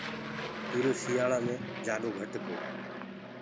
هيل سٚيآݪيآ مي سي گھٽ تو۔